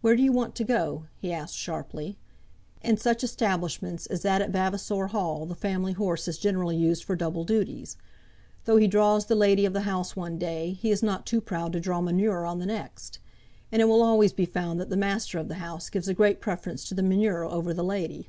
"Where do you want to go?" he asked sharply. In such establishments as that at Vavasor Hall the family horse is generally used for double duties. Though he draws the lady of the house one day, he is not too proud to draw manure on the next. And it will always be found that the master of the house gives a great preference to the manure over the lady.